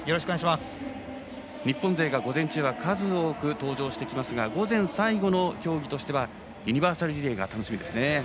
日本勢が午前中は数多く登場してきますが午前最後の競技としてはユニバーサルリレーが楽しみですね。